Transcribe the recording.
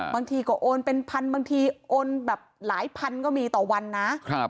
บางทีก็โอนเป็นพันบางทีโอนแบบหลายพันก็มีต่อวันนะ